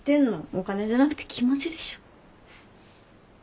お金じゃなくて気持ちでしょ。